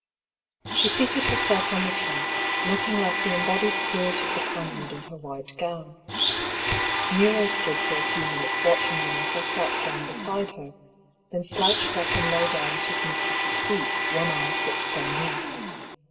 She seated herself on the trunk, looking like the embodied spirit of the pinewood in her white gown. Kero stood for a few minutes watching me as I sat down beside her, then slouched up and lay down at his mis tress' feet, one eye fixed on me.